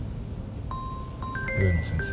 植野先生。